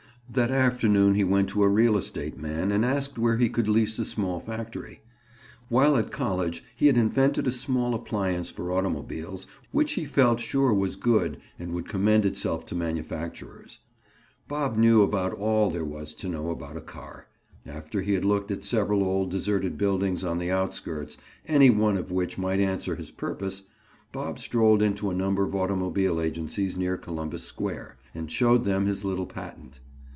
That afternoon he went to a real estate man and asked where he could lease a small factory. While at college he had invented a small appliance for automobiles, which he felt sure was good and would commend itself to manufacturers. Bob knew about all there was to know about a car. After he had looked at several old deserted buildings on the outskirts, any one of which might answer his purpose, Bob strolled into a number of automobile agencies near Columbus Square, and showed them his little patent.